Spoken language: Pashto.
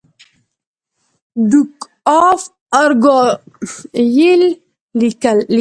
ډوک آف ارګایل لیکي.